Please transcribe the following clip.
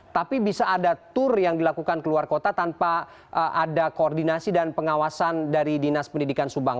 tapi bisa ada tur yang dilakukan keluar kota tanpa ada koordinasi dan pengawasan dari dinas pendidikan subang